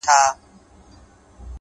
o لونگيه دا خبره دې سهې ده،